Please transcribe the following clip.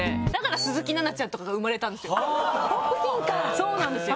そうなんですよ。